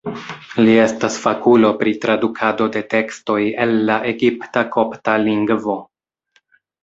Li estas fakulo pri tradukado de tekstoj el la egipta-kopta lingvo.